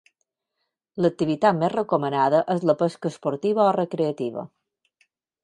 L'activitat més recomanada és la pesca esportiva o recreativa.